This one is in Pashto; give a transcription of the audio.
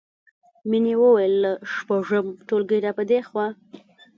مینې وویل له شپږم ټولګي راپدېخوا